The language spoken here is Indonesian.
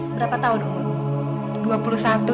berapa tahun dulu